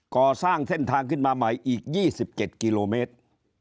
ก็สร้างเส้นทางขึ้นมาใหม่อีกยี่สิบเก็ตกิโลเมตร